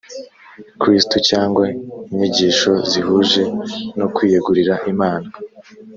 kristo cyangwa inyigisho zihuje no kwiyegurira imana